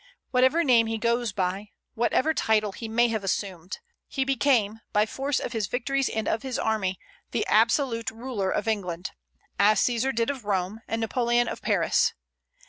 Whatever name he goes by, whatever title he may have assumed, he became, by force of his victories and of his army, the absolute ruler of England, as Caesar did of Rome, and Napoleon of Paris.